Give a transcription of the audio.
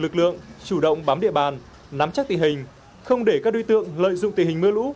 lực lượng chủ động bám địa bàn nắm chắc tình hình không để các đối tượng lợi dụng tình hình mưa lũ